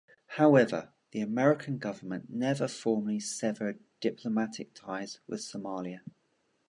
However, the American government never formally severed diplomatic ties with Somalia.